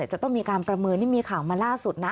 จะต้องมีการประเมินนี่มีข่าวมาล่าสุดนะ